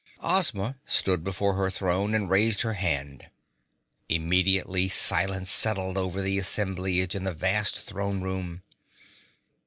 Ozma stood before her throne and raised her hand. Immediately silence settled over the assemblage in the vast Throne Room.